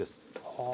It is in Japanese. はあ。